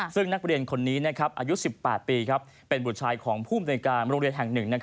ซึ่งนักเรียนคนนี้อายุ๑๘ปีเป็นบุตรชายของภูมิในการโรงเรียนแห่ง๑